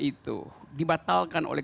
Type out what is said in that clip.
itu dibatalkan oleh